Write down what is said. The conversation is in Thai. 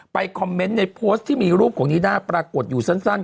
คอมเมนต์ในโพสต์ที่มีรูปของนิด้าปรากฏอยู่สั้น